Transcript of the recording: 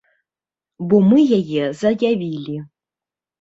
Бо мы яе заявілі.